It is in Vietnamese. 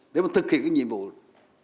để mà thực hiện cái nhiệm vụ đổi mới